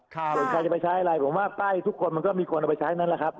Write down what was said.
ส่วนใครจะไปใช้อะไรผมว่าป้ายทุกคนมันก็มีคนเอาไปใช้นั่นแหละครับ